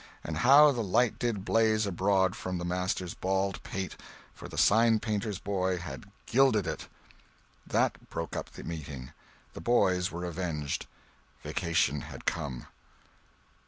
And how the light did blaze abroad from the master's bald pate—for the signpainter's boy had gilded it! That broke up the meeting. The boys were avenged. Vacation had come.